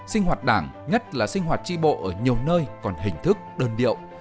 sinh hoạt đảng nhất là sinh hoạt tri bộ ở nhiều nơi còn hình thức đơn điệu